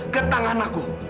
ke tangan aku